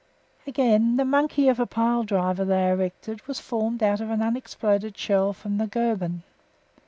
Again, the "monkey" of a pile driver they erected was formed out of an unexploded shell from the Goeben.